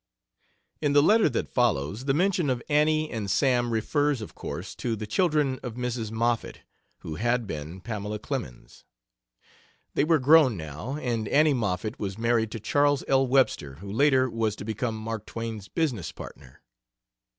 In the letter that follows the mention of Annie and Sam refers, of course, to the children of Mrs. Moffett, who had been, Pamela Clemens. They were grown now, and Annie Moffett was married to Charles L. Webster, who later was to become Mark Twain's business partner.